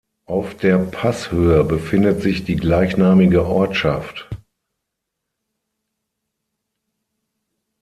Auf der Passhöhe befindet sich die gleichnamige Ortschaft.